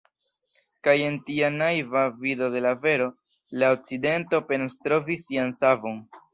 Kaj en tia naiva vido de la vero, la Okcidento penas trovi sian savon.